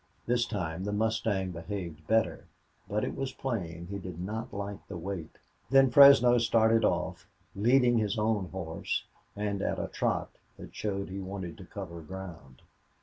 This time the mustang behaved better, but it was plain he did not like the weight. Then Fresno started off, leading his own horse, and at a trot that showed he wanted to cover ground.